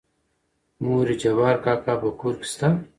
مورې جبار کاکا په کور کې شته؟